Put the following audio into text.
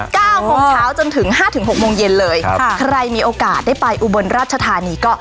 เก้าโมงเช้าจนถึงห้าถึงหกโมงเย็นเลยครับใครมีโอกาสได้ไปอุบลราชธานีก็